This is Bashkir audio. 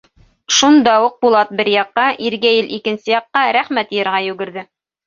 Шунда уҡ Булат бер яҡҡа, Иргәйел икенсе яҡҡа рәхмәт йыйырға йүгерҙе.